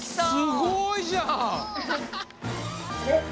すごいじゃん！